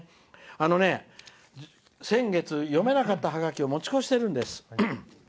あのね、先月読めなかったハガキを持ち越してるんです。